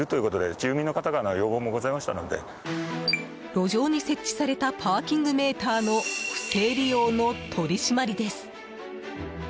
路上に設置されたパーキングメーターの不正利用の取り締まりです。